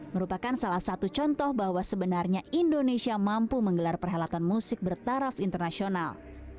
merupakan salah satu contoh bahwa sebenarnya indonesia mampu menggelar perhelatan musik bertaraf internasional